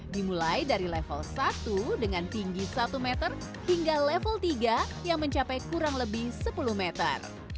dimulai dari level satu dengan tinggi satu meter hingga level tiga yang mencapai kurang lebih sepuluh meter